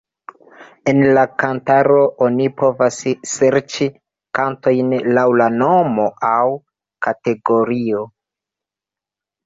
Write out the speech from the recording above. En la kantaro oni povas serĉi kantojn laŭ nomo aŭ kategorio.